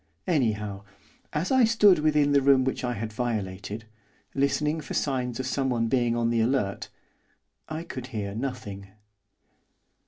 Anyhow, as I stood within the room which I had violated, listening for signs of someone being on the alert, I could hear nothing.